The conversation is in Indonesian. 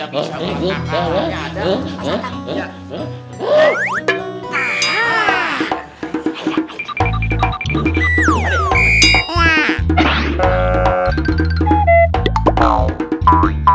semuanya kalau mau itu usang